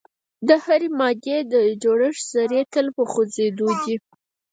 د هرې مادې د جوړښت ذرې تل په خوځیدو دي.